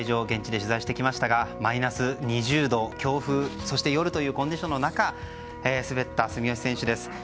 現地で取材してきましたがマイナス２０度、強風そして夜というコンディションの中、滑った住吉選手です。